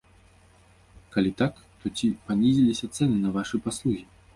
Калі так, то ці панізіліся цэны на вашы паслугі?